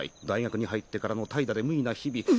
大学に入ってからの怠惰で無為な日々。